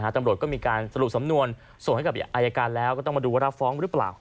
ตำรวจก็มีการสรุปสำนวนส่งให้กับอายการแล้วก็ต้องมาดูว่ารับฟ้องหรือเปล่า